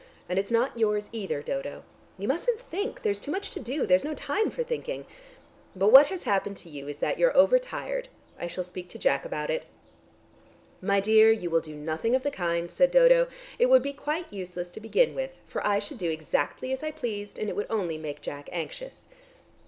And it's not your's either, Dodo. You mustn't think; there's too much to do; there's no time for thinking. But what has happened to you is that you're overtired. I shall speak to Jack about it." "My dear, you will do nothing of the kind," said Dodo. "It would be quite useless to begin with, for I should do exactly as I pleased, and it would only make Jack anxious."